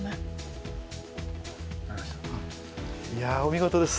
いやお見事です。